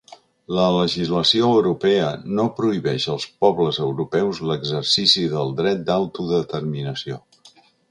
La legislació europea no prohibeix als pobles europeus l’exercici del dret d’autodeterminació.